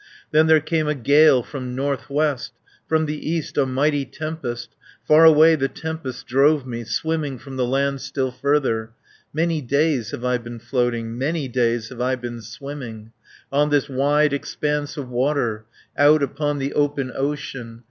"Then there came a gale from north west, From the east a mighty tempest, Far away the tempest drove me, Swimming from the land still further, Many days have I been floating, Many days have I been swimming, 80 On this wide expanse of water, Out upon the open ocean.